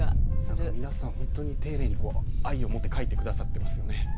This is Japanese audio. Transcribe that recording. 皆さん本当に丁寧に愛を持って描いてくださってますよね。